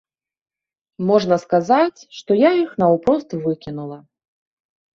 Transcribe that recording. Можна сказаць, што я іх наўпрост выкінула.